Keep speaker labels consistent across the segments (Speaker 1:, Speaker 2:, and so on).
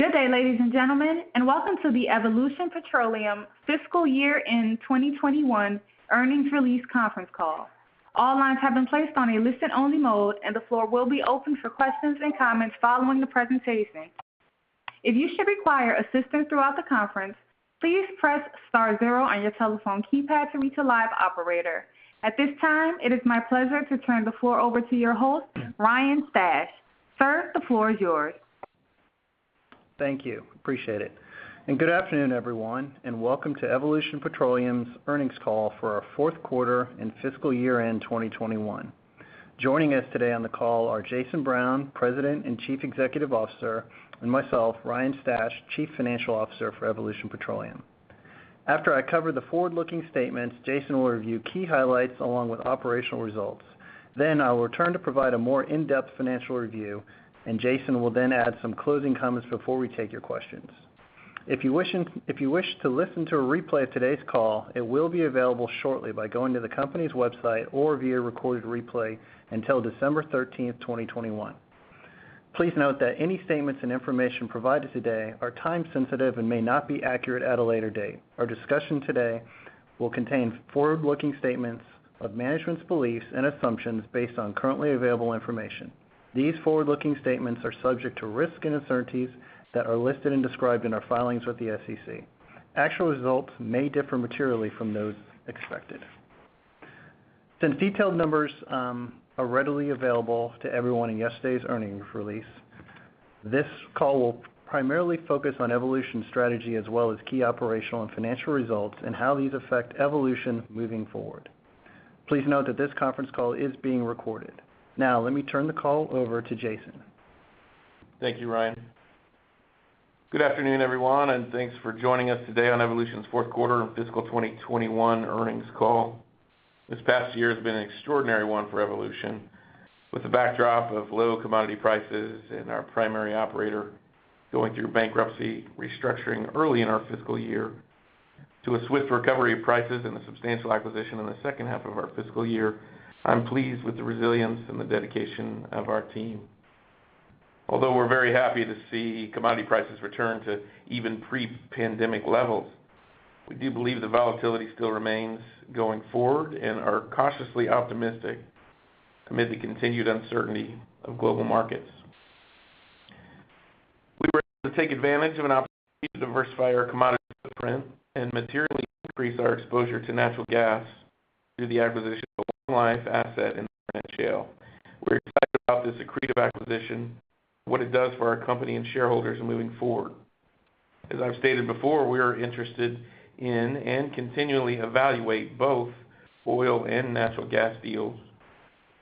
Speaker 1: Good day, ladies and gentlemen. Welcome to the Evolution Petroleum fiscal year-end 2021 earnings release conference call. At this time, it is my pleasure to turn the floor over to your host, Ryan Stash. Sir, the floor is yours.
Speaker 2: Thank you. Appreciate it. Good afternoon, everyone, and welcome to Evolution Petroleum's earnings call for our fourth quarter and fiscal year-end 2021. Joining us today on the call are Jason Brown, President and Chief Executive Officer, and myself, Ryan Stash, Chief Financial Officer for Evolution Petroleum. After I cover the forward-looking statements, Jason will review key highlights along with operational results. I will return to provide a more in-depth financial review, Jason will then add some closing comments before we take your questions. If you wish to listen to a replay of today's call, it will be available shortly by going to the company's website or via recorded replay until December 13th, 2021. Please note that any statements and information provided today are time-sensitive and may not be accurate at a later date. Our discussion today will contain forward-looking statements of management's beliefs and assumptions based on currently available information. These forward-looking statements are subject to risks and uncertainties that are listed and described in our filings with the SEC. Actual results may differ materially from those expected. Since detailed numbers are readily available to everyone in yesterday's earnings release, this call will primarily focus on Evolution's strategy as well as key operational and financial results and how these affect Evolution moving forward. Please note that this conference call is being recorded. Now, let me turn the call over to Jason.
Speaker 3: Thank you, Ryan. Good afternoon, everyone. Thanks for joining us today on Evolution's fourth quarter fiscal 2021 earnings call. This past year has been an extraordinary one for Evolution, with the backdrop of low commodity prices and our primary operator going through bankruptcy restructuring early in our fiscal year to a swift recovery of prices and a substantial acquisition in the second half of our fiscal year. I'm pleased with the resilience and the dedication of our team. Although we're very happy to see commodity prices return to even pre-pandemic levels, we do believe the volatility still remains going forward and are cautiously optimistic amid the continued uncertainty of global markets. We were able to take advantage of an opportunity to diversify our commodity footprint and materially increase our exposure to natural gas through the acquisition of long-life asset in Barnett Shale. We're excited about this accretive acquisition, what it does for our company and shareholders moving forward. As I've stated before, we are interested in and continually evaluate both oil and natural gas deals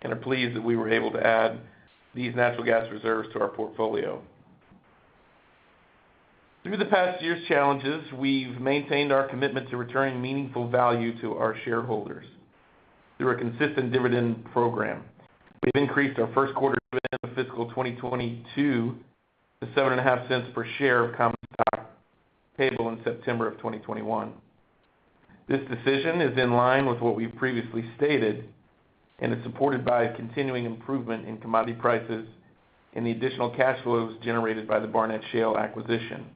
Speaker 3: and are pleased that we were able to add these natural gas reserves to our portfolio. Through the past year's challenges, we've maintained our commitment to returning meaningful value to our shareholders through our consistent dividend program. We've increased our first quarter dividend of fiscal 2022 to $0.075 per share of common stock, payable in September of 2021. This decision is in line with what we've previously stated and is supported by a continuing improvement in commodity prices and the additional cash flows generated by the Barnett Shale acquisition.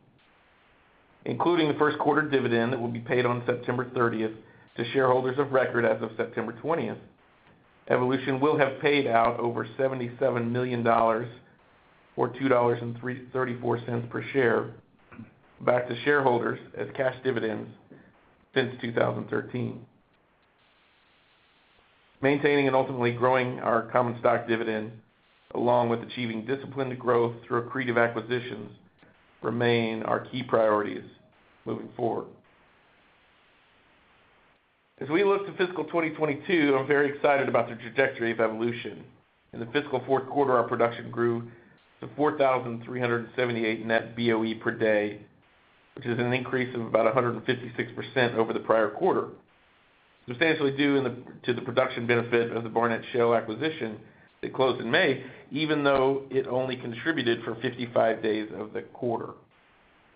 Speaker 3: Including the first quarter dividend that will be paid on September 30th to shareholders of record as of September 20th, Evolution will have paid out over $77 million, or $2.34 per share, back to shareholders as cash dividends since 2013. Maintaining and ultimately growing our common stock dividend, along with achieving disciplined growth through accretive acquisitions, remain our key priorities moving forward. As we look to fiscal 2022, I'm very excited about the trajectory of Evolution. In the fiscal fourth quarter, our production grew to 4,378 net BOE per day, which is an increase of about 156% over the prior quarter, substantially due to the production benefit of the Barnett Shale acquisition that closed in May, even though it only contributed for 55 days of the quarter.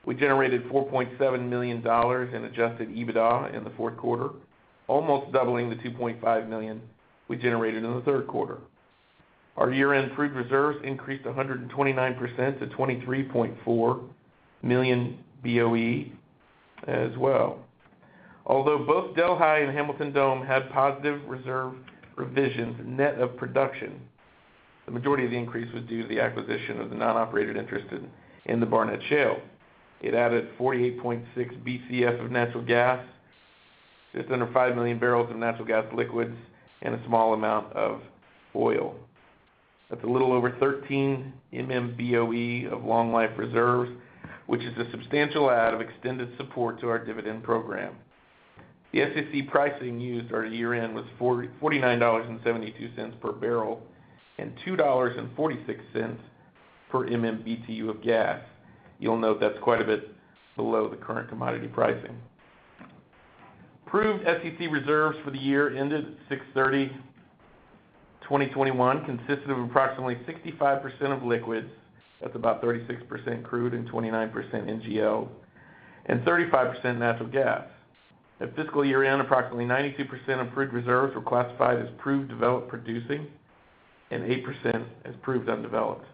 Speaker 3: We generated $4.7 million in adjusted EBITDA in the fourth quarter, almost doubling the $2.5 million we generated in the third quarter. Our year-end proved reserves increased 129% to 23.4 million BOE as well. Although both Delhi and Hamilton Dome had positive reserve revisions net of production, the majority of the increase was due to the acquisition of the non-operated interest in the Barnett Shale. It added 48.6 Bcf of natural gas, just under 5 million barrels of natural gas liquids, and a small amount of oil. That's a little over 13 MMBOE of long-life reserves, which is a substantial add of extended support to our dividend program. The SEC pricing used at our year-end was $49.72 per barrel and $2.46 per MMBTU of gas. You'll note that's quite a bit below the current commodity pricing. Proved SEC reserves for the year ended 6/30/2021 consisted of approximately 65% of liquids. That's about 36% crude and 29% NGL and 35% natural gas. At fiscal year-end, approximately 92% of proved reserves were classified as proved, developed, producing. 8% is proved undeveloped.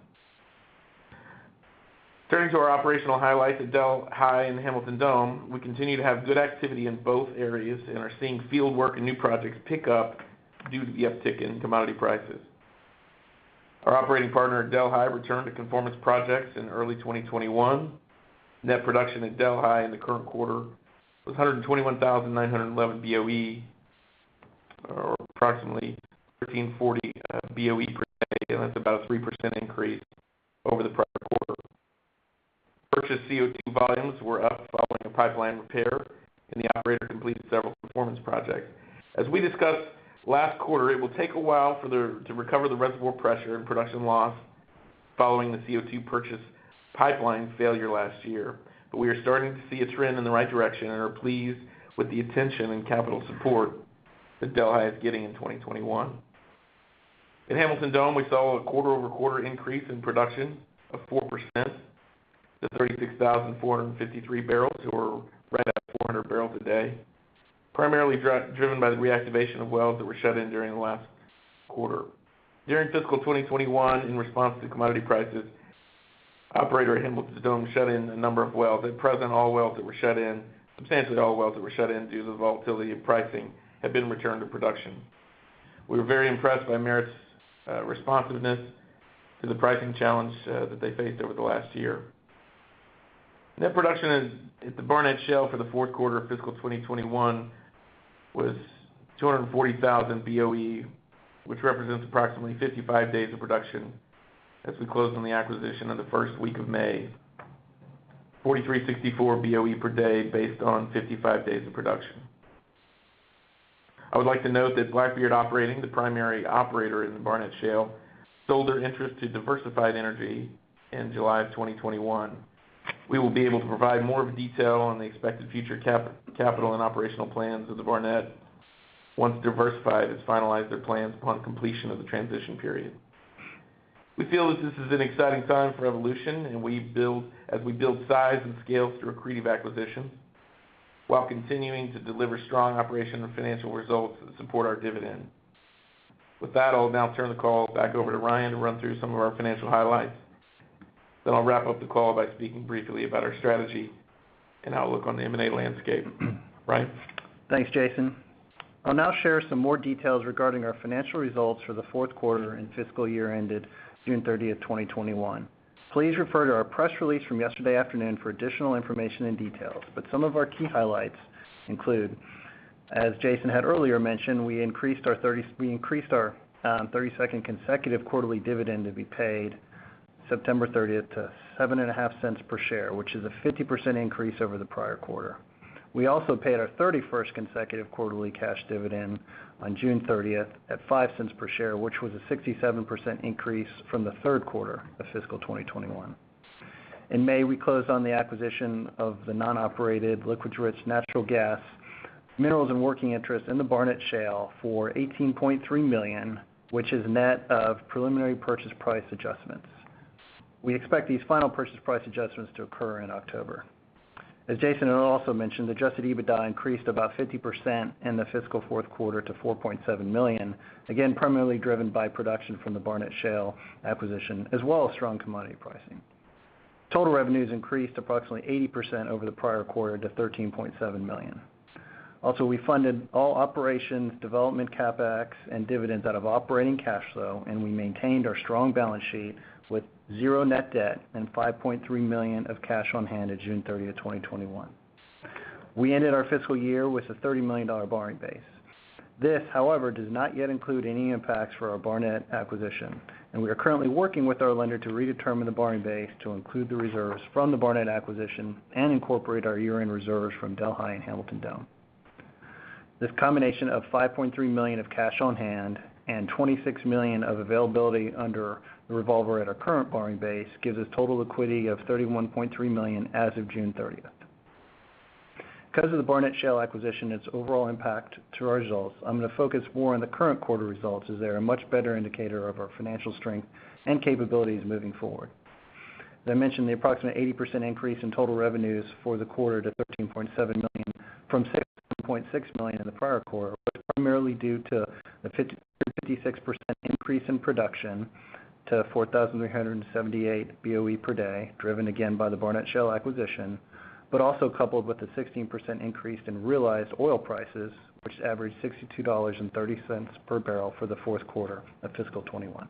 Speaker 3: Turning to our operational highlights at Delhi and Hamilton Dome, we continue to have good activity in both areas and are seeing field work and new projects pick up due to the uptick in commodity prices. Our operating partner at Delhi returned to conformance projects in early 2021. Net production at Delhi in the current quarter was 121,911 BOE, or approximately 1,340 BOE per day, that's about a 3% increase over the prior quarter. Purchased CO2 volumes were up following a pipeline repair. The operator completed several conformance projects. As we discussed last quarter, it will take a while to recover the reservoir pressure and production loss following the CO2 purchase pipeline failure last year. We are starting to see a trend in the right direction and are pleased with the attention and capital support that Delhi is getting in 2021. In Hamilton Dome, we saw a quarter-over-quarter increase in production of 4% to 36,453 bbl, or right at 400 bbl a day, primarily driven by the reactivation of wells that were shut in during the last quarter. During fiscal 2021, in response to commodity prices, operator at Hamilton Dome shut in a number of wells. At present, all wells that were shut in, substantially all wells that were shut in due to the volatility in pricing, have been returned to production. We were very impressed by Merit's responsiveness to the pricing challenge that they faced over the last year. Net production at the Barnett Shale for the fourth quarter of fiscal 2021 was 240,000 BOE, which represents approximately 55 days of production as we closed on the acquisition in the first week of May. 4,364 BOE per day based on 55 days of production. I would like to note that Blackbeard Operating, the primary operator in the Barnett Shale, sold their interest to Diversified Energy in July of 2021. We will be able to provide more of a detail on the expected future capital and operational plans of the Barnett once Diversified has finalized their plans upon completion of the transition period. We feel that this is an exciting time for Evolution, as we build size and scale through accretive acquisitions while continuing to deliver strong operational and financial results that support our dividend. With that, I'll now turn the call back over to Ryan to run through some of our financial highlights. I'll wrap up the call by speaking briefly about our strategy and outlook on the M&A landscape. Ryan?
Speaker 2: Thanks, Jason. I'll now share some more details regarding our financial results for the fourth quarter and fiscal year ended June 30th, 2021. Please refer to our press release from yesterday afternoon for additional information and details. Some of our key highlights include, as Jason had earlier mentioned, we increased our 32nd consecutive quarterly dividend to be paid September 30th to $0.075 per share, which is a 50% increase over the prior quarter. We also paid our 31st consecutive quarterly cash dividend on June 30th at $0.05 per share, which was a 67% increase from the third quarter of fiscal 2021. In May, we closed on the acquisition of the non-operated liquids-rich natural gas minerals and working interest in the Barnett Shale for $18.3 million, which is net of preliminary purchase price adjustments. We expect these final purchase price adjustments to occur in October. As Jason had also mentioned, adjusted EBITDA increased about 50% in the fiscal fourth quarter to $4.7 million, again, primarily driven by production from the Barnett Shale acquisition, as well as strong commodity pricing. Total revenues increased approximately 80% over the prior quarter to $13.7 million. Also, we funded all operations, development CapEx, and dividends out of operating cash flow, and we maintained our strong balance sheet with zero net debt and $5.3 million of cash on hand at June 30th, 2021. We ended our fiscal year with a $30 million borrowing base. This, however, does not yet include any impacts for our Barnett acquisition, and we are currently working with our lender to redetermine the borrowing base to include the reserves from the Barnett acquisition and incorporate our year-end reserves from Delhi and Hamilton Dome. This combination of $5.3 million of cash on hand and $26 million of availability under the revolver at our current borrowing base gives us total liquidity of $31.3 million as of June 30th. Because of the Barnett Shale acquisition and its overall impact to our results, I'm going to focus more on the current quarter results, as they're a much better indicator of our financial strength and capabilities moving forward. As I mentioned, the approximate 80% increase in total revenues for the quarter to $13.7 million from $6.6 million in the prior quarter was primarily due to the 56% increase in production to 4,378 BOE per day, driven again by the Barnett Shale acquisition, but also coupled with a 16% increase in realized oil prices, which averaged $62.30 per barrel for the fourth quarter of fiscal 2021.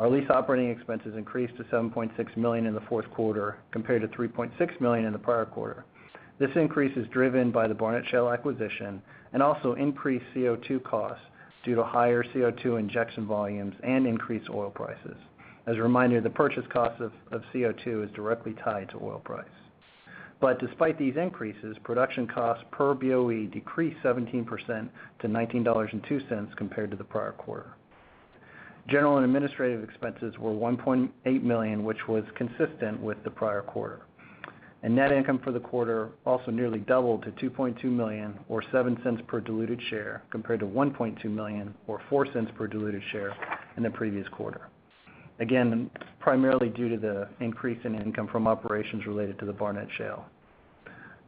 Speaker 2: Our lease operating expenses increased to $7.6 million in the fourth quarter, compared to $3.6 million in the prior quarter. This increase is driven by the Barnett Shale acquisition and also increased CO2 costs due to higher CO2 injection volumes and increased oil prices. As a reminder, the purchase cost of CO2 is directly tied to oil price. Despite these increases, production costs per BOE decreased 17% to $19.02 compared to the prior quarter. General and administrative expenses were $1.8 million, which was consistent with the prior quarter. Net income for the quarter also nearly doubled to $2.2 million or $0.07 per diluted share, compared to $1.2 million or $0.04 per diluted share in the previous quarter. Primarily due to the increase in income from operations related to the Barnett Shale.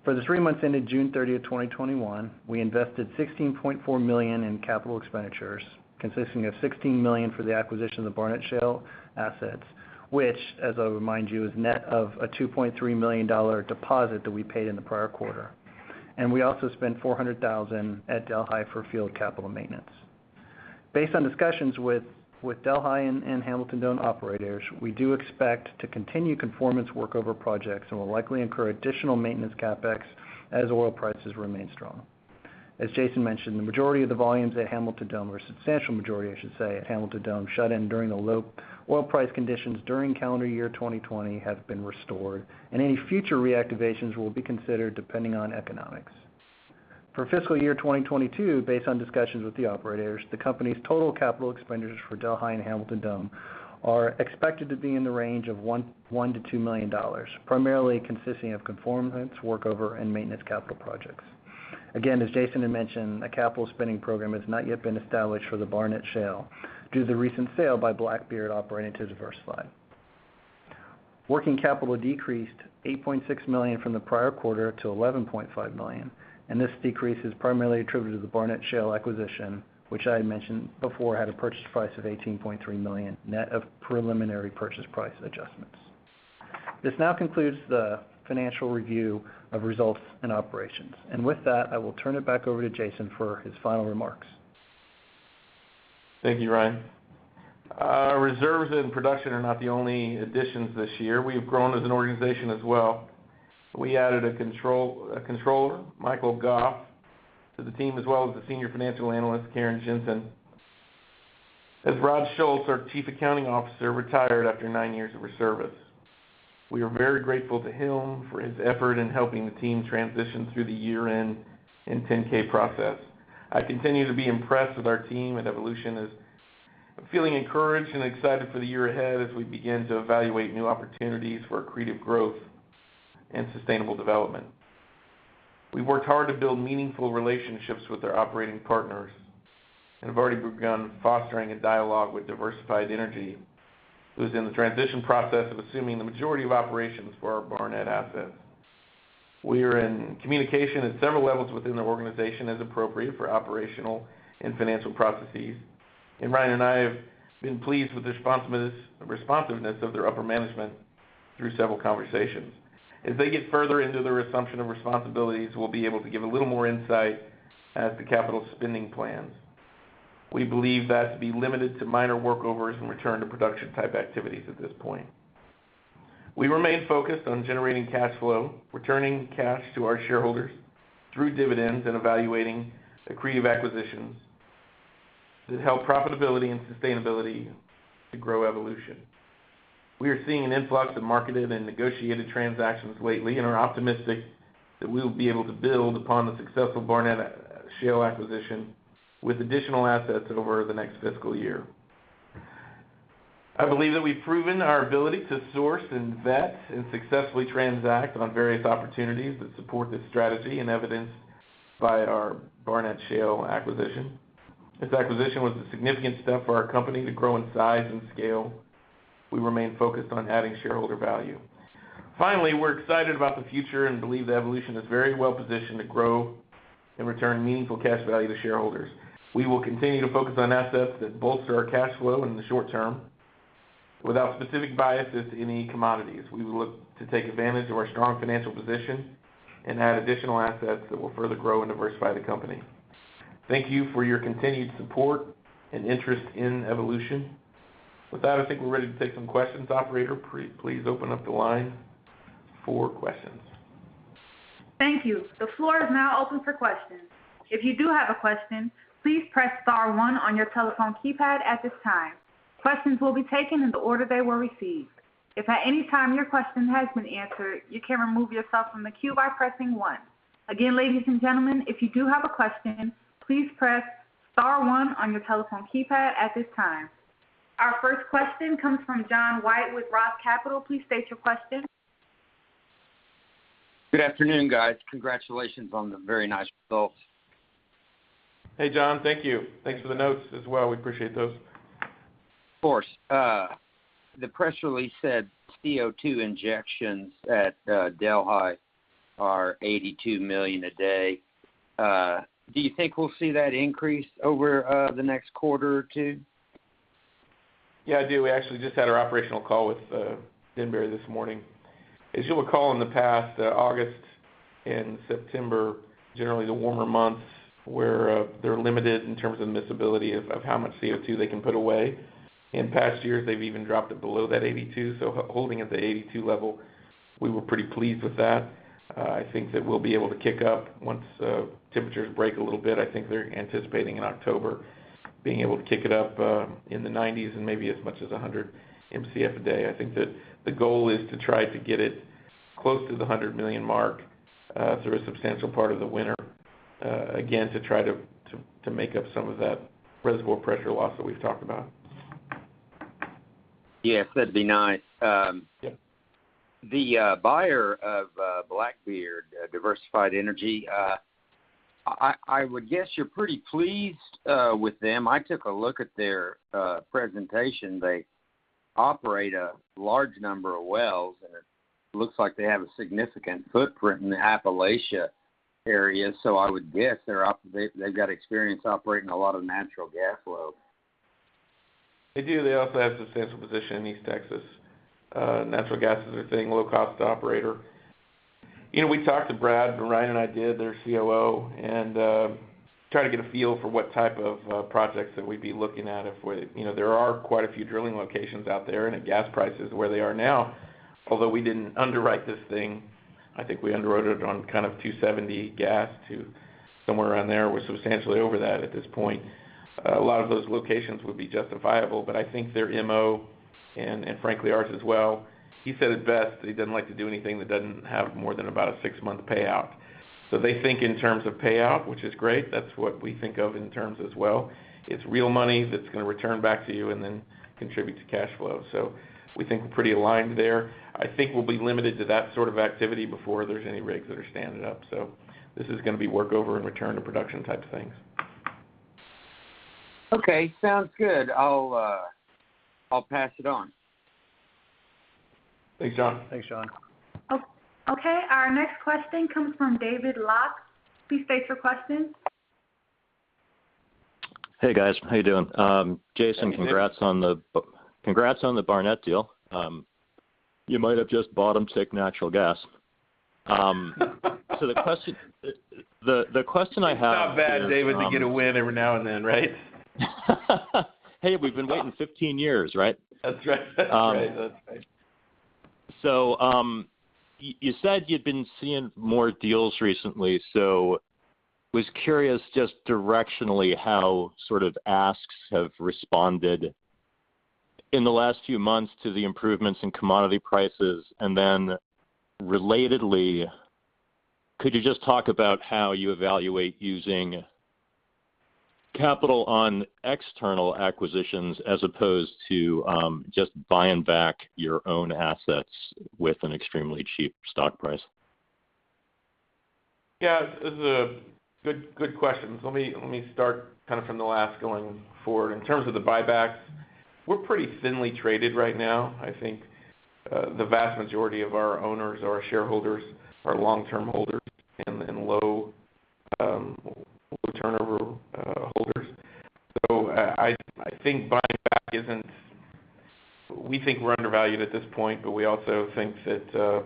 Speaker 2: For the three months ending June 30th, 2021, we invested $16.4 million in capital expenditures, consisting of $16 million for the acquisition of the Barnett Shale assets, which, as I'll remind you, is net of a $2.3 million deposit that we paid in the prior quarter. We also spent $400,000 at Delhi for field capital maintenance. Based on discussions with Delhi and Hamilton Dome operators, we do expect to continue conformance workover projects and will likely incur additional maintenance CapEx as oil prices remain strong. As Jason mentioned, the majority of the volumes at Hamilton Dome, or a substantial majority, I should say, at Hamilton Dome, shut in during the low oil price conditions during calendar year 2020 have been restored. Any future reactivations will be considered depending on economics. For FY 2022, based on discussions with the operators, the company's total capital expenditures for Delhi and Hamilton Dome are expected to be in the range of $1 million-$2 million, primarily consisting of conformance, workover, and maintenance capital projects. Again, as Jason had mentioned, a capital spending program has not yet been established for the Barnett Shale due to the recent sale by Blackbeard Operating to Diversified. Working capital decreased $8.6 million from the prior quarter to $11.5 million. This decrease is primarily attributed to the Barnett Shale acquisition, which I had mentioned before had a purchase price of $18.3 million, net of preliminary purchase price adjustments. This now concludes the financial review of results and operations. With that, I will turn it back over to Jason for his final remarks.
Speaker 3: Thank you, Ryan. Our reserves and production are not the only additions this year. We have grown as an organization as well. We added a Controller, Michael Goff, to the team, as well as a Senior Financial Analyst, Karen Jensen, as Rod Schultz, our Chief Accounting Officer, retired after nine years of service. We are very grateful to him for his effort in helping the team transition through the year-end and 10-K process. I continue to be impressed with our team at Evolution. I'm feeling encouraged and excited for the year ahead as we begin to evaluate new opportunities for accretive growth and sustainable development. We've worked hard to build meaningful relationships with our operating partners and have already begun fostering a dialogue with Diversified Energy, who's in the transition process of assuming the majority of operations for our Barnett assets. We are in communication at several levels within their organization as appropriate for operational and financial processes, and Ryan and I have been pleased with the responsiveness of their upper management through several conversations. As they get further into their assumption of responsibilities, we'll be able to give a little more insight as to capital spending plans. We believe that to be limited to minor workovers and return-to-production type activities at this point. We remain focused on generating cash flow, returning cash to our shareholders through dividends, and evaluating accretive acquisitions that help profitability and sustainability to grow Evolution. We are seeing an influx of marketed and negotiated transactions lately and are optimistic that we will be able to build upon the successful Barnett Shale acquisition with additional assets over the next fiscal year. I believe that we've proven our ability to source and vet and successfully transact on various opportunities that support this strategy and evidenced by our Barnett Shale acquisition. This acquisition was a significant step for our company to grow in size and scale. We remain focused on adding shareholder value. We're excited about the future and believe that Evolution is very well positioned to grow and return meaningful cash value to shareholders. We will continue to focus on assets that bolster our cash flow in the short term without specific biases to any commodities. We will look to take advantage of our strong financial position and add additional assets that will further grow and diversify the company. Thank you for your continued support and interest in Evolution. With that, I think we're ready to take some questions. Operator, please open up the line for questions.
Speaker 1: Thank you. The floor is now open for questions. If you do have a question, please press star one on your telephone keypad at this time. Questions will be taken in the order they were received. If at any time your question has been answered, you can remove yourself from the queue by pressing one. Again, ladies and gentlemen, if you do have a question, please press star one on your telephone keypad at this time. Our first question comes from John White with ROTH Capital. Please state your question.
Speaker 4: Good afternoon, guys. Congratulations on the very nice results.
Speaker 3: Hey, John. Thank you. Thanks for the notes as well. We appreciate those.
Speaker 4: Of course. The press release said CO2 injections at Delhi are 82 million a day. Do you think we'll see that increase over the next quarter or two?
Speaker 3: Yeah, I do. We actually just had our operational call with Denbury this morning. As you'll recall, in the past, August and September, generally the warmer months, where they're limited in terms of miscibility of how much CO2 they can put away. In past years, they've even dropped it below that 82 Mcf, so holding at the 82 Mcf level, we were pretty pleased with that. I think that we'll be able to kick up once temperatures break a little bit. I think they're anticipating in October being able to kick it up in the 90 Mcf and maybe as much as 100 Mcf a day. I think that the goal is to try to get it close to the 100 million mark through a substantial part of the winter, again, to try to make up some of that reservoir pressure loss that we've talked about.
Speaker 4: Yes, that'd be nice.
Speaker 3: Yeah.
Speaker 4: The buyer of Blackbeard, Diversified Energy, I would guess you're pretty pleased with them. I took a look at their presentation. They operate a large number of wells, and it looks like they have a significant footprint in the Appalachia area. I would guess they've got experience operating a lot of natural gas wells.
Speaker 3: They do. They also have a substantial position in East Texas. Natural gas is their thing, low-cost operator. We talked to Brad, Ryan and I did, their COO, and tried to get a feel for what type of projects that we'd be looking at. There are quite a few drilling locations out there. If gas prices are where they are now, although we didn't underwrite this thing, I think we underwrote it on $2.70 gas to somewhere around there. We're substantially over that at this point. A lot of those locations would be justifiable. I think their MO, and frankly, ours as well, he said it best, that he doesn't like to do anything that doesn't have more than about a six-month payout. They think in terms of payout, which is great. That's what we think of in terms as well. It's real money that's going to return back to you and then contribute to cash flow. We think we're pretty aligned there. I think we'll be limited to that sort of activity before there's any rigs that are standing up. This is going to be work over and return to production type things.
Speaker 4: Okay. Sounds good. I'll pass it on.
Speaker 3: Thanks, John.
Speaker 2: Thanks, John.
Speaker 1: Okay, our next question comes from David Lock. Please state your question.
Speaker 5: Hey, guys. How you doing? Jason, congrats on the Barnett deal. You might have just bottom ticked natural gas. The question I have.
Speaker 3: It's not bad, David, to get a win every now and then, right?
Speaker 5: Hey, we've been waiting 15 years, right?
Speaker 3: That's right.
Speaker 5: You said you'd been seeing more deals recently, so was curious just directionally how asks have responded in the last few months to the improvements in commodity prices. Relatedly, could you just talk about how you evaluate using capital on external acquisitions as opposed to just buying back your own assets with an extremely cheap stock price?
Speaker 3: Yeah. This is a good question. Let me start from the last going forward. In terms of the buybacks, we're pretty thinly traded right now. I think the vast majority of our owners or our shareholders are long-term holders and low turnover holders. I think buying back isn't. We think we're undervalued at this point, but we also think that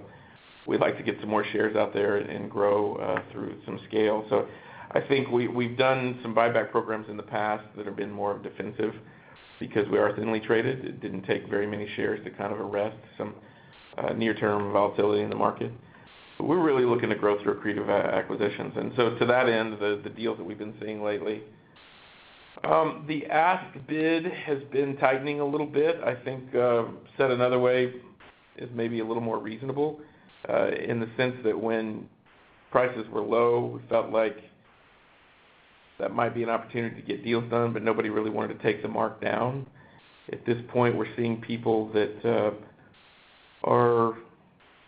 Speaker 3: we'd like to get some more shares out there and grow through some scale. I think we've done some buyback programs in the past that have been more defensive because we are thinly traded. It didn't take very many shares to arrest some near-term volatility in the market. We're really looking to grow through accretive acquisitions. To that end, the deals that we've been seeing lately, the ask bid has been tightening a little bit. I think, said another way, is maybe a little more reasonable in the sense that when prices were low, it felt like that might be an opportunity to get deals done. Nobody really wanted to take the mark down. At this point, we're seeing people that are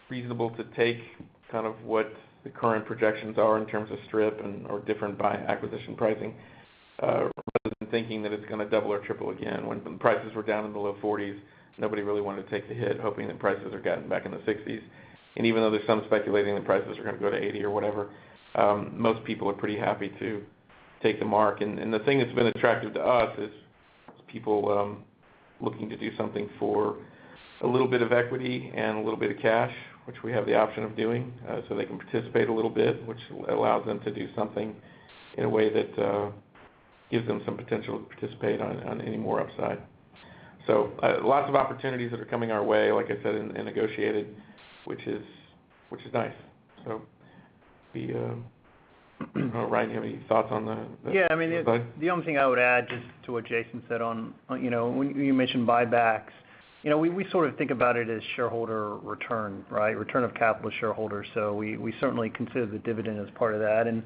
Speaker 3: reasonable to take what the current projections are in terms of strip or different by acquisition pricing, rather than thinking that it's going to double or triple again. When prices were down in the low $40s, nobody really wanted to take the hit, hoping that prices are getting back in the $60s. Even though there's some speculating that prices are going to go to $80 or whatever, most people are pretty happy to take the mark. The thing that's been attractive to us is people looking to do something for a little bit of equity and a little bit of cash, which we have the option of doing. They can participate a little bit, which allows them to do something in a way that gives them some potential to participate on any more upside. Lots of opportunities that are coming our way, like I said, and negotiated, which is nice. I don't know, Ryan, you have any thoughts on the upside?
Speaker 2: The only thing I would add, just to what Jason said on, when you mentioned buybacks, we think about it as shareholder return, right? Return of capital to shareholders. We certainly consider the dividend as part of that, and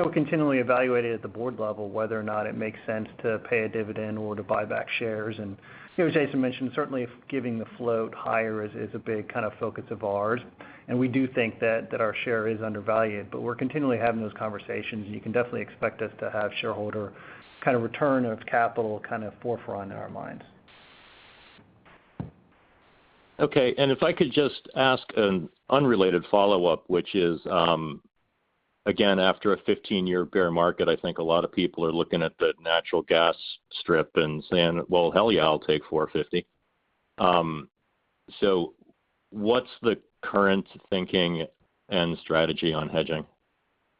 Speaker 2: we're continually evaluating at the board level whether or not it makes sense to pay a dividend or to buy back shares. As Jason mentioned, certainly giving the float higher is a big focus of ours. We do think that our share is undervalued, but we're continually having those conversations, and you can definitely expect us to have shareholder return of capital forefront in our minds.
Speaker 5: Okay, if I could just ask an unrelated follow-up, which is, again, after a 15-year bear market, I think a lot of people are looking at the natural gas strip and saying, "Well, hell yeah, I'll take $4.50." What's the current thinking and strategy on hedging,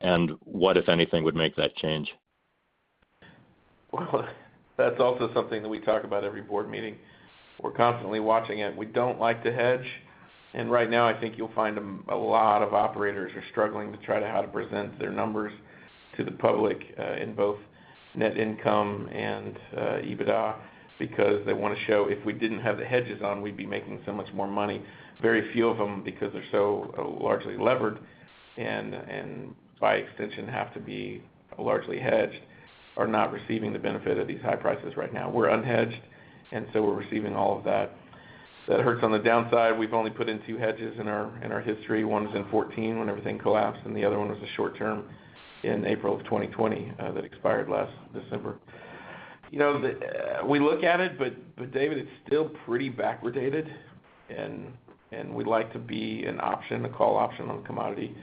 Speaker 5: and what, if anything, would make that change?
Speaker 3: Well, that's also something that we talk about every board meeting. We're constantly watching it. We don't like the hedge. Right now I think you'll find a lot of operators are struggling to try to present their numbers to the public in both net income and EBITDA because they want to show if we didn't have the hedges on, we'd be making so much more money. Very few of them, because they're so largely levered, and by extension have to be largely hedged, are not receiving the benefit of these high prices right now. We're unhedged. We're receiving all of that. That hurts on the downside. We've only put in two hedges in our history. One's in 2014 when everything collapsed, and the other one was a short term in April of 2020 that expired last December. We look at it, David, it's still pretty backwardated, and we'd like to be an option, a call option on commodity.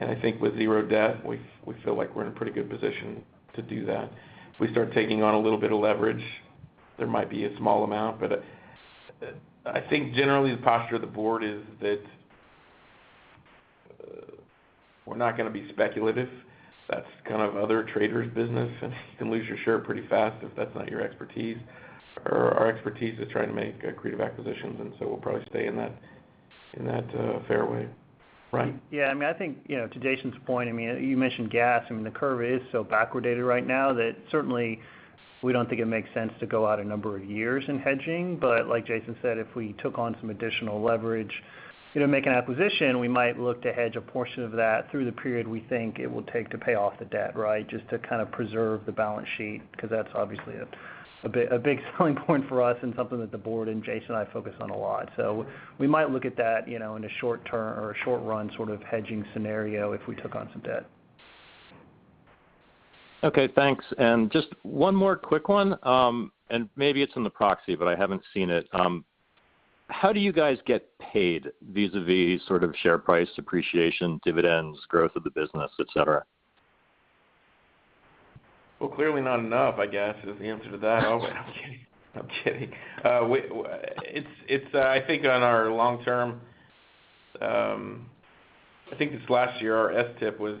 Speaker 3: I think with zero debt, we feel like we're in a pretty good position to do that. We start taking on a little bit of leverage. There might be a small amount, but I think generally the posture of the board is that we're not going to be speculative. That's kind of other traders' business, and you can lose your shirt pretty fast if that's not your expertise. Our expertise is trying to make accretive acquisitions, so we'll probably stay in that fairway. Ryan?
Speaker 2: Yeah, I think to Jason's point, you mentioned gas. I mean, the curve is so backwardated right now that certainly we don't think it makes sense to go out a number of years in hedging. Like Jason said, if we took on some additional leverage making an acquisition, we might look to hedge a portion of that through the period we think it will take to pay off the debt, just to kind of preserve the balance sheet, because that's obviously a big selling point for us and something that the board and Jason and I focus on a lot. We might look at that in a short term or a short run sort of hedging scenario if we took on some debt.
Speaker 5: Okay, thanks. Just one more quick one, and maybe it's in the proxy, but I haven't seen it. How do you guys get paid vis-a-vis share price appreciation, dividends, growth of the business, et cetera?
Speaker 3: Well, clearly not enough, I guess, is the answer to that. No, I'm kidding. I think this last year, our STIP was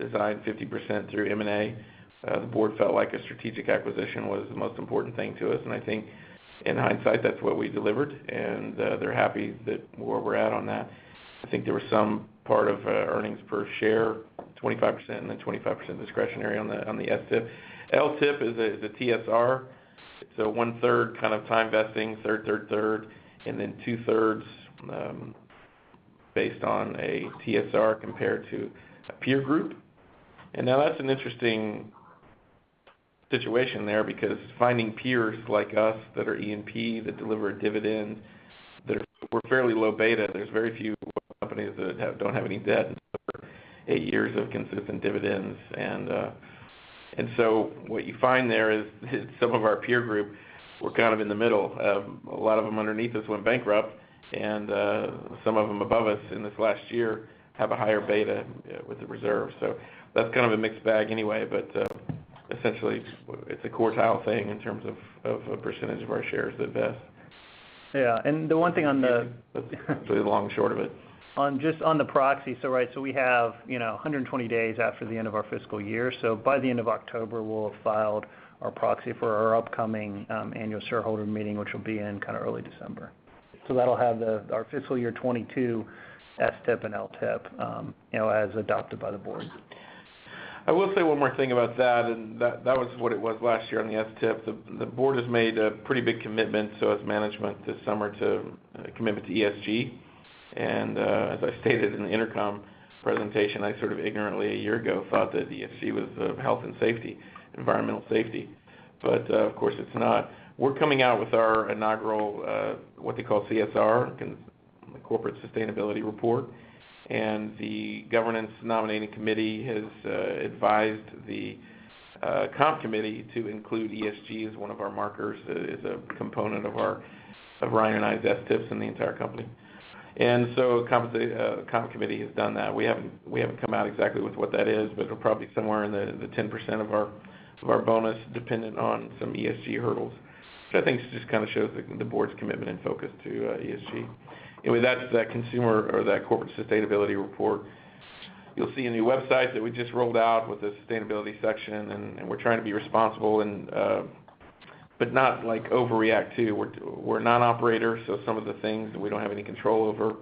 Speaker 3: designed 50% through M&A. The board felt like a strategic acquisition was the most important thing to us, and I think in hindsight, that's what we delivered, and they're happy where we're at on that. I think there was some part of earnings per share, 25% and then 25% discretionary on the STIP. LTIP is a TSR. One third kind of time vesting, and then 2/3 based on a TSR compared to a peer group. Now that's an interesting situation there, because finding peers like us that are E&P, that deliver a dividend, we're fairly low beta. There's very few oil companies that don't have any debt and still have eight years of consistent dividends. What you find there is some of our peer group were kind of in the middle. A lot of them underneath us went bankrupt and some of them above us in this last year have a higher beta with the reserve. That's kind of a mixed bag anyway. Essentially, it's a quartile thing in terms of a percentage of our shares that vest.
Speaker 2: Yeah, the one thing on
Speaker 3: That's really the long and short of it.
Speaker 2: Just on the proxy. Right, we have 120 days after the end of our fiscal year. By the end of October, we'll have filed our proxy for our upcoming annual shareholder meeting, which will be in early December. That'll have our fiscal year 2022 STIP and LTIP as adopted by the board.
Speaker 3: I will say one more thing about that, and that was what it was last year on the STIP. The board has made a pretty big commitment, so has management this summer, to commitment to ESG. As I stated in the EnerCom presentation, I sort of ignorantly a year ago, thought that ESG was health and safety, environmental safety. Of course, it's not. We're coming out with our inaugural what they call CSR, Corporate Sustainability Report, and the Governance Nominating Committee has advised the Comp Committee to include ESG as one of our markers, as a component of Ryan and I's STIPs and the entire company. So Comp Committee has done that. We haven't come out exactly with what that is, but it'll probably be somewhere in the 10% of our bonus dependent on some ESG hurdles. I think it just kind of shows the board's commitment and focus to ESG. Anyway, that's that consumer or that corporate sustainability report. You'll see in the website that we just rolled out with a sustainability section, and we're trying to be responsible but not overreact too. We're a non-operator, so some of the things that we don't have any control over.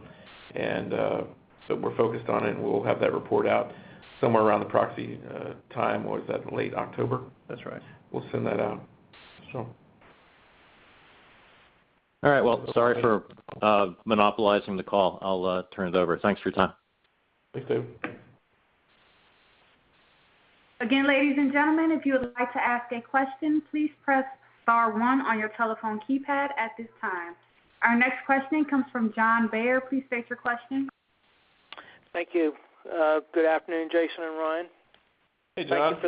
Speaker 3: We're focused on it, and we'll have that report out somewhere around the proxy time. What is that? Late October?
Speaker 2: That's right.
Speaker 3: We'll send that out.
Speaker 5: All right. Well, sorry for monopolizing the call. I'll turn it over. Thanks for your time.
Speaker 3: Thanks, David.
Speaker 1: Again, ladies and gentlemen, if you would like to ask a question, please press star one on your telephone keypad at this time. Our next questioning comes from John Bair. Please state your question.
Speaker 6: Thank you. Good afternoon, Jason and Ryan.
Speaker 3: Hey, John.
Speaker 6: Thank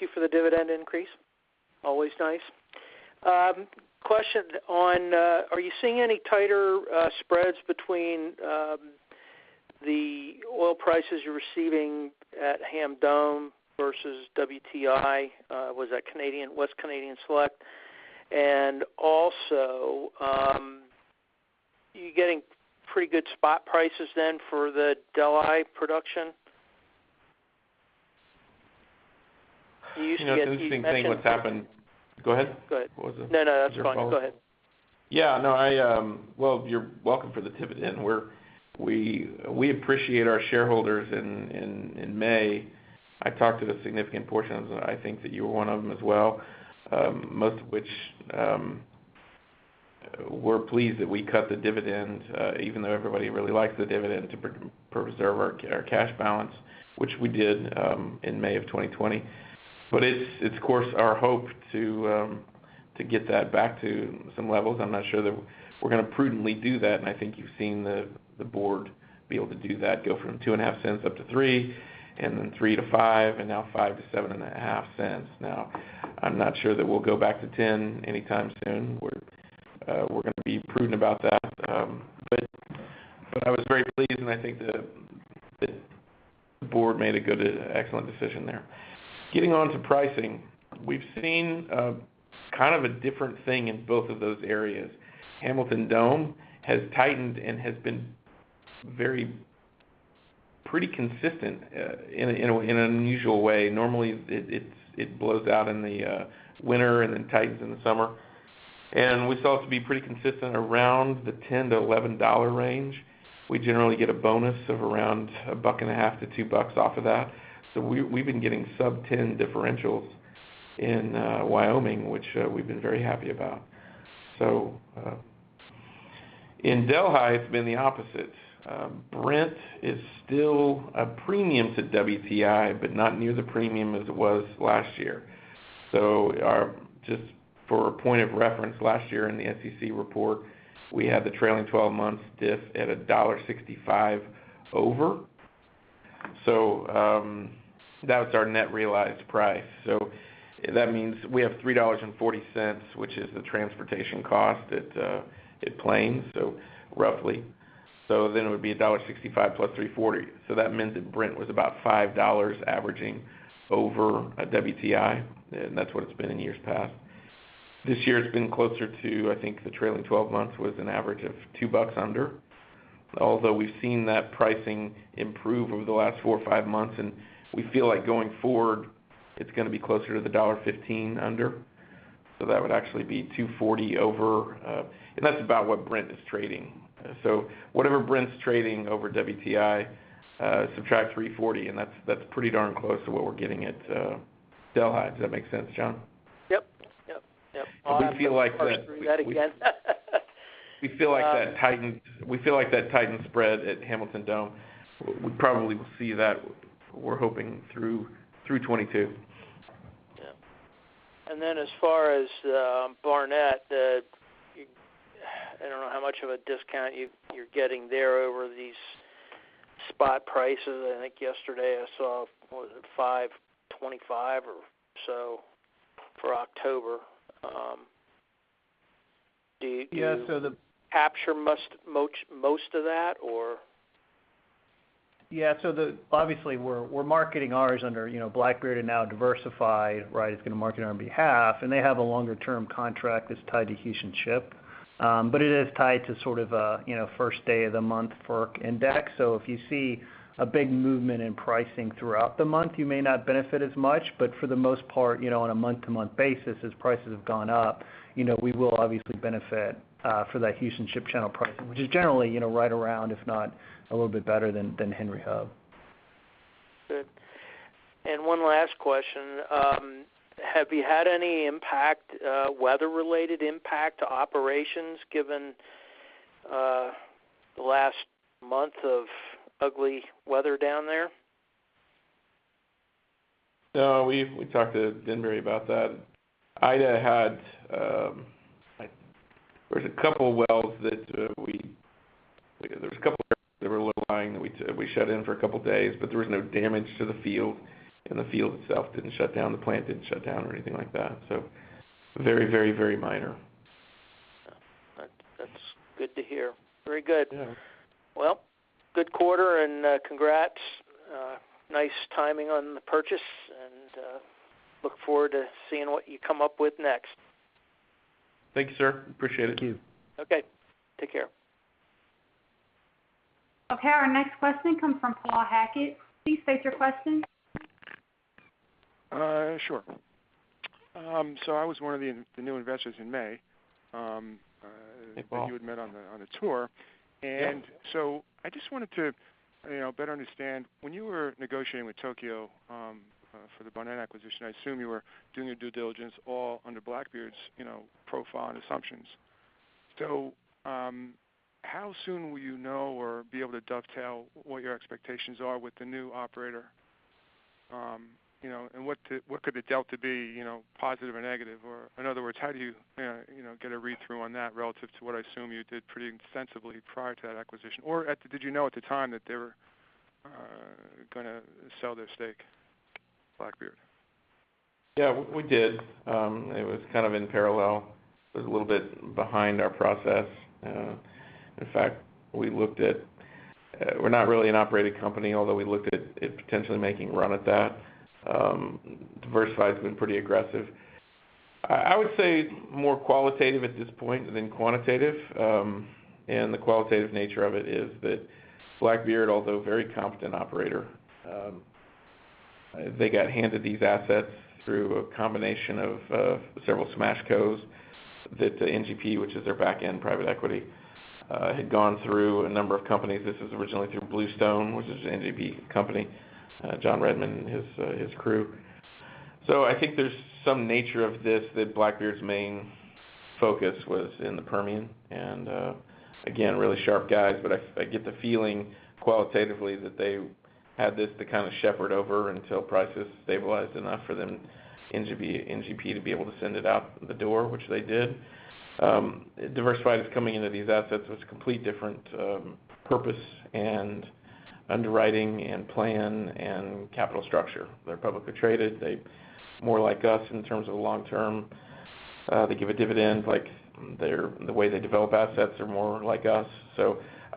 Speaker 6: you for the dividend increase. Always nice. Question on, are you seeing any tighter spreads between the oil prices you're receiving at Hamilton Dome versus WTI? Was that Western Canadian Select? Also, are you getting pretty good spot prices then for the Delhi production?
Speaker 3: Interesting thing what's happened. Go ahead.
Speaker 6: Go ahead.
Speaker 3: What was it?
Speaker 6: No, that's fine. Go ahead.
Speaker 3: Yeah. Well, you're welcome for the dividend. We appreciate our shareholders. In May, I talked to a significant portion of them. I think that you were one of them as well. Most of which were pleased that we cut the dividend, even though everybody really liked the dividend to preserve our cash balance, which we did in May of 2020. It's of course our hope to get that back to some levels. I'm not sure that we're going to prudently do that, and I think you've seen the board be able to do that, go from $0.025 up to $0.03, and then $0.03-$0.05, and now $0.05-$0.075. I'm not sure that we'll go back to $0.10 anytime soon. We're going to be prudent about that. I was very pleased, and I think that the board made a good, excellent decision there. Getting on to pricing, we've seen a different thing in both of those areas. Hamilton Dome has tightened and has been pretty consistent in an unusual way. Normally, it blows out in the winter and then tightens in the summer. We saw it to be pretty consistent around the $10-$11 range. We generally get a bonus of around a buck and a half to $2 off of that. We've been getting sub-10 differentials in Wyoming, which we've been very happy about. In Delhi, it's been the opposite. Brent is still a premium to WTI, but not near the premium as it was last year. Just for a point of reference, last year in the SEC report, we had the trailing 12 months diff at $1.65 over. That was our net realized price. That means we have $3.40, which is the transportation cost at Plains, roughly. It would be $1.65 plus $3.40. That meant that Brent was about $5 averaging over a WTI, and that's what it's been in years past. This year, it's been closer to, I think, the trailing 12 months was an average of $2 under. Although we've seen that pricing improve over the last four or five months, and we feel like going forward it's going to be closer to the $1.15 under. That would actually be $2.40 over. That's about what Brent is trading. Whatever Brent's trading over WTI, subtract $3.40, and that's pretty darn close to what we're getting at Delhi. Does that make sense, John?
Speaker 6: Yep.
Speaker 3: We feel like that tightened spread at Hamilton Dome, we probably will see that, we're hoping, through 2022.
Speaker 6: Yeah. As far as Barnett, I don't know how much of a discount you're getting there over these spot prices. I think yesterday I saw, was it $5.25 or so for October? Do you?
Speaker 2: Yeah,
Speaker 6: capture most of that, or?
Speaker 2: Yeah. Obviously we're marketing ours under Blackbeard, and now Diversified, right, is going to market on our behalf, and they have a longer-term contract that's tied to Houston Ship. It is tied to a first-day of the month FERC index. If you see a big movement in pricing throughout the month, you may not benefit as much, but for the most part, on a month-to-month basis, as prices have gone up, we will obviously benefit for that Houston Ship Channel pricing, which is generally right around, if not a little bit better than Henry Hub.
Speaker 6: Good. One last question. Have you had any weather-related impact to operations given the last month of ugly weather down there?
Speaker 3: No, we talked to Denbury about that. There was a couple of wells that were low-lying that we shut in for a couple of days, there was no damage to the field, and the field itself didn't shut down. The plant didn't shut down or anything like that. Very minor.
Speaker 6: That's good to hear. Very good.
Speaker 3: Yeah.
Speaker 6: Well, good quarter and congrats. Nice timing on the purchase, look forward to seeing what you come up with next.
Speaker 3: Thank you, sir. Appreciate it.
Speaker 2: Thank you.
Speaker 6: Okay. Take care.
Speaker 1: Okay, our next question comes from Paul Hackett. Please state your question.
Speaker 7: Sure. I was one of the new investors in May.
Speaker 3: Hey, Paul.
Speaker 7: that you had met on the tour.
Speaker 3: Yeah.
Speaker 7: I just wanted to better understand, when you were negotiating with Tokyo for the Barnett acquisition, I assume you were doing your due diligence all under Blackbeard's profile and assumptions. How soon will you know or be able to dovetail what your expectations are with the new operator? What could the delta be, positive or negative, or in other words, how do you get a read-through on that relative to what I assume you did pretty extensively prior to that acquisition? Did you know at the time that they were going to sell their stake to Blackbeard?
Speaker 3: Yeah, we did. It was in parallel. It was a little bit behind our process. In fact, we're not really an operating company, although we looked at potentially making a run at that. Diversified's been pretty aggressive. I would say more qualitative at this point than quantitative. The qualitative nature of it is that Blackbeard, although a very competent operator, they got handed these assets through a combination of several SmashCos that NGP, which is their back-end private equity, had gone through a number of companies. This was originally through Bluestone, which is an NGP company, John Redmond and his crew. I think there's some nature of this that Blackbeard's main focus was in the Permian. Again, really sharp guys, but I get the feeling qualitatively that they had this to shepherd over until prices stabilized enough for them, NGP, to be able to send it out the door, which they did. Diversified is coming into these assets with a completely different purpose and underwriting and plan and capital structure. They're publicly traded. They're more like us in terms of the long-term. They give a dividend. The way they develop assets are more like us.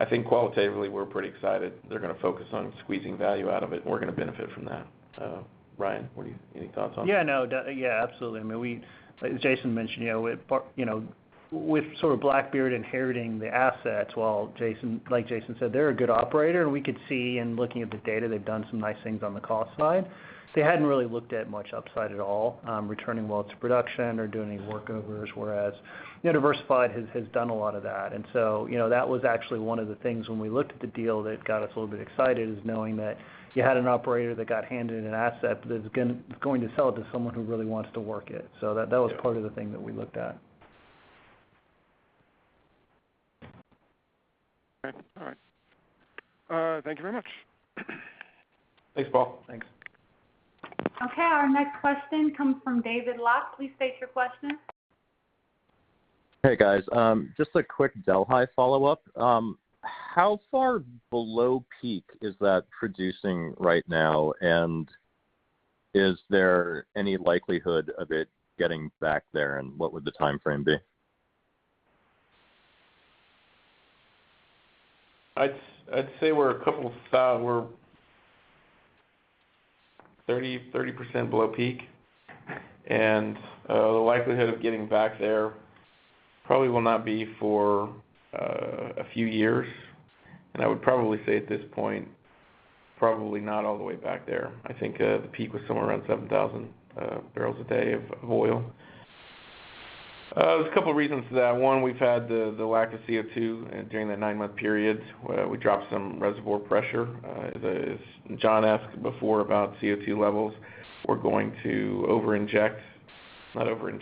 Speaker 3: I think qualitatively, we're pretty excited. They're going to focus on squeezing value out of it, and we're going to benefit from that. Ryan, any thoughts on that?
Speaker 2: Yeah, absolutely. As Jason mentioned, with Blackbeard inheriting the assets, like Jason said, they're a good operator, and we could see in looking at the data, they've done some nice things on the cost side. They hadn't really looked at much upside at all, returning well to production or doing any workovers, whereas Diversified has done a lot of that. That was actually one of the things when we looked at the deal that got us a little bit excited, is knowing that you had an operator that got handed an asset that is going to sell it to someone who really wants to work it. That was part of the thing that we looked at.
Speaker 7: Okay. All right. Thank you very much.
Speaker 3: Thanks, Paul.
Speaker 2: Thanks.
Speaker 1: Okay, our next question comes from David Lock. Please state your question.
Speaker 5: Hey, guys. Just a quick Delhi follow-up. How far below peak is that producing right now, and is there any likelihood of it getting back there, and what would the timeframe be?
Speaker 3: I'd say we're 30% below peak. The likelihood of getting back there probably will not be for a few years. I would probably say at this point, probably not all the way back there. I think, the peak was somewhere around 7,000 bbl a day of oil. There's a couple reasons for that. One, we've had the lack of CO2 during that nine-month period. We dropped some reservoir pressure. As John asked before about CO2 levels, we're going to inject more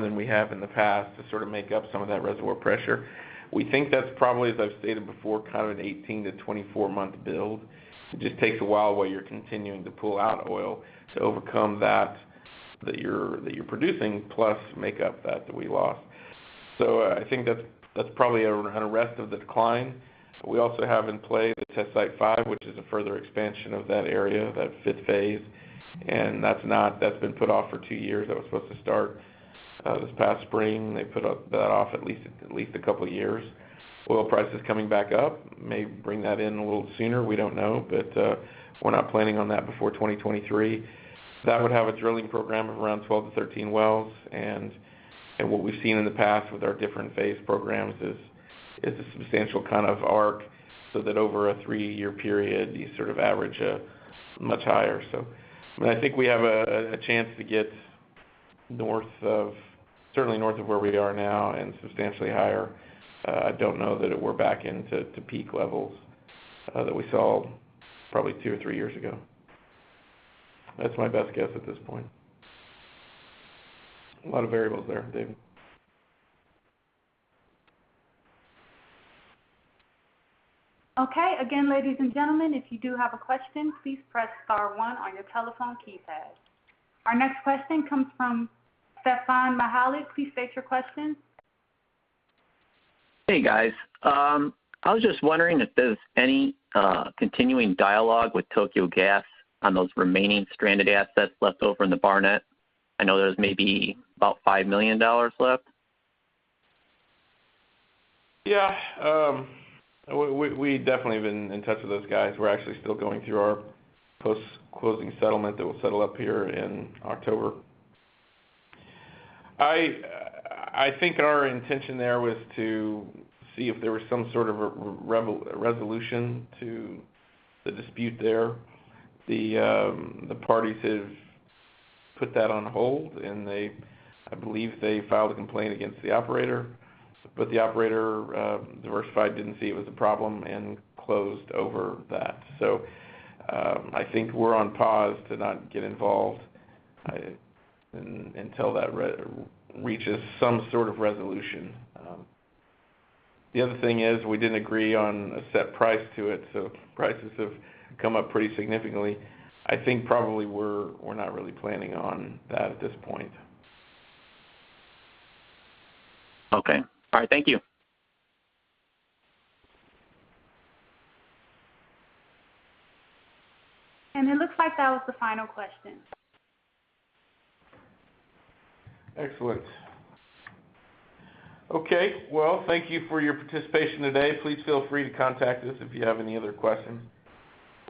Speaker 3: than we have in the past to sort of make up some of that reservoir pressure. We think that's probably, as I've stated before, an 18-24 month build. It just takes a while while you're continuing to pull out oil to overcome that you're producing, plus make up that we lost. I think that's probably on the rest of the decline. We also have in play the Test Site V, which is a further expansion of that area, that fifth phase, and that's been put off for two years. That was supposed to start this past spring. They put that off at least a couple of years. Oil prices coming back up may bring that in a little sooner. We don't know. We're not planning on that before 2023. That would have a drilling program of around 12-13 wells, and what we've seen in the past with our different phase programs is a substantial kind of arc, so that over a three-year period, you sort of average much higher. I think we have a chance to get certainly north of where we are now and substantially higher. I don't know that we're back into peak levels that we saw probably two or three years ago. That's my best guess at this point. A lot of variables there, David.
Speaker 1: Again, ladies and gentlemen, if you do have a question, please press star one on your telephone keypad. Our next question comes from [Stefan Mihaly]. Please state your question.
Speaker 8: Hey, guys. I was just wondering if there's any continuing dialogue with Tokyo Gas on those remaining stranded assets left over in the Barnett. I know there's maybe about $5 million left.
Speaker 3: Yeah. We definitely have been in touch with those guys. We're actually still going through our post-closing settlement that will settle up here in October. I think our intention there was to see if there was some sort of a resolution to the dispute there. The parties have put that on hold, and I believe they filed a complaint against the operator. The operator, Diversified, didn't see it was a problem and closed over that. I think we're on pause to not get involved until that reaches some sort of resolution. The other thing is we didn't agree on a set price to it, so prices have come up pretty significantly. I think probably we're not really planning on that at this point.
Speaker 8: Okay. All right. Thank you.
Speaker 1: It looks like that was the final question.
Speaker 3: Excellent. Okay. Well, thank you for your participation today. Please feel free to contact us if you have any other questions.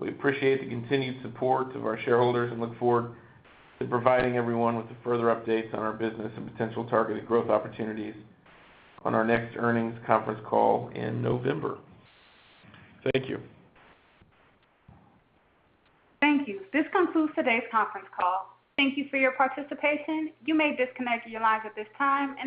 Speaker 3: We appreciate the continued support of our shareholders and look forward to providing everyone with the further updates on our business and potential targeted growth opportunities on our next earnings conference call in November. Thank you.
Speaker 1: Thank you. This concludes today's conference call. Thank you for your participation. You may disconnect your lines at this time.